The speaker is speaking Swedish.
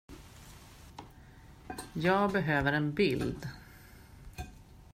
Jag behöver en bild.